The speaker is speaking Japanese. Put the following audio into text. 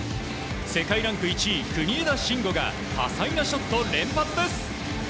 世界ランク１位、国枝慎吾が多彩なショット連発です。